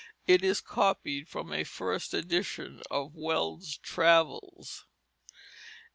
It is copied from a first edition of Weld's Travels.